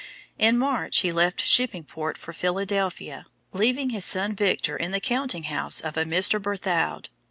In March he left Shipping Port for Philadelphia, leaving his son Victor in the counting house of a Mr. Berthoud.